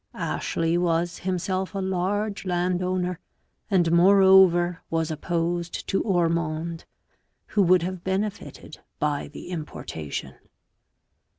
Ashley was himself a large landowner, and, moreover, was opposed to Ormonde, who would have benefited by the importation.